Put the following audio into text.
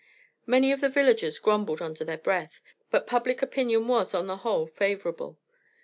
Many of the villagers grumbled under their breath, but public opinion was, on the whole, favorable.